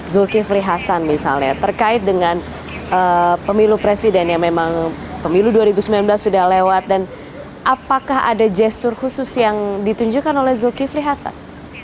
zulkifli hasan misalnya terkait dengan pemilu presiden yang memang pemilu dua ribu sembilan belas sudah lewat dan apakah ada gestur khusus yang ditunjukkan oleh zulkifli hasan